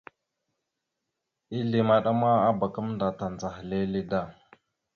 Ezle maɗa ma abak gamẹnda tandzəha lele da.